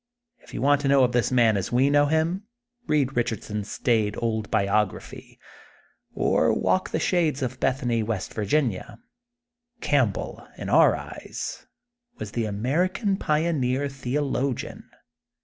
K you want to know of this man as we know him, read Bich ardson's staid old biography, or walk the shades of Bethany, West Virginia. Campbell, in our eyes, was the American pioneer the ologian.